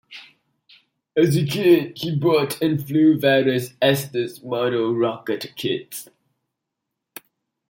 As a kid, he bought and flew various Estes model rocket kits.